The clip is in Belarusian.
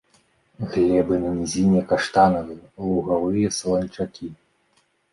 Глебы на нізіне каштанавыя, лугавыя, саланчакі.